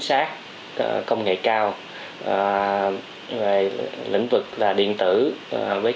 xác công nghệ cao lĩnh vực là điện tử với các lực lượng